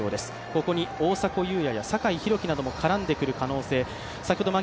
ここに大迫勇也や酒井宏樹なども絡んでくる可能性。